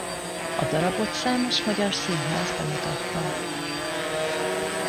A darabot számos magyar színház bemutatta.